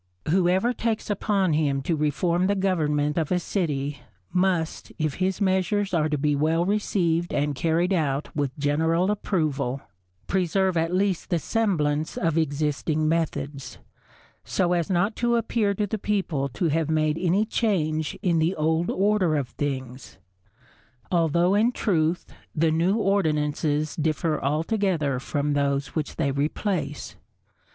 _ Whoever takes upon him to reform the government of a city, must, if his measures are to be well received and carried out with general approval, preserve at least the semblance of existing methods, so as not to appear to the people to have made any change in the old order of things; although, in truth, the new ordinances differ altogether from those which they replace.